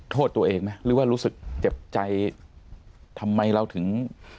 โทษตัวเองไหมหรือว่ารู้สึกเจ็บใจทำไมเราถึง